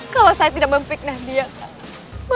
kalau saya tidak memfiknah dia kikumu